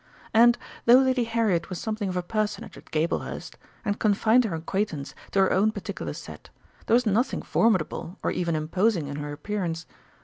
And, though Lady Harriet was something of a personage at Gablehurst, and confined her acquaintance to her own particular set, there was nothing formidable or even imposing in her appearance.